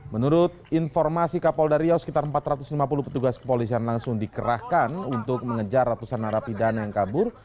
menurut informasi kapolda riau sekitar empat ratus lima puluh petugas kepolisian langsung dikerahkan untuk mengejar ratusan narapidana yang kabur